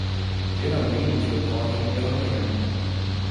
Geralmente ocorrem pela manhã.